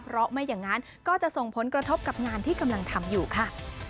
เพราะไม่อย่างนั้นก็จะส่งผลกระทบกับงานที่กำลังทำอยู่ค่ะ